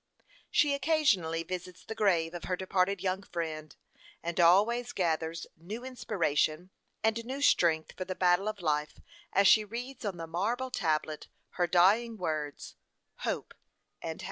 She occasionally visits the grave of her departed young friend, and always gathers new inspiration and new strength for the battle of life, as she reads on the marble tablet her dying words HOPE AND HAVE.